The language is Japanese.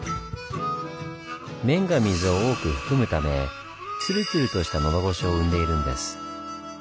麺が水を多く含むためつるつるとしたのどごしを生んでいるんです。